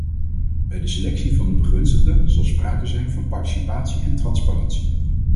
Bij de selectie van de begunstigden zal sprake zijn van participatie en transparantie.